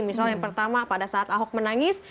misalnya yang pertama pada saat ahok menangis